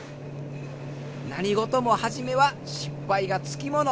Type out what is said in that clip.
何事も初めは失敗がつきもの。